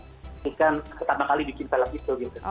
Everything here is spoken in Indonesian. bukan pertama kali bikin film film gitu